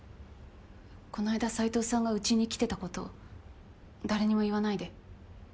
こないだ斎藤さんがうちに来てたこと誰にも言わないで。